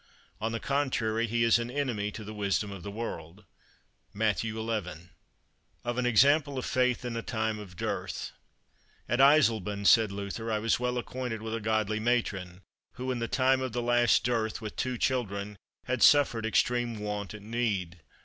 On the contrary, he is an enemy to the wisdom of the world (Matt. xi.). Of an Example of Faith in the Time of Dearth. At Eisleben, said Luther, I was well acquainted with a godly matron, who, in the time of the last dearth, with two children, had suffered extreme want and need.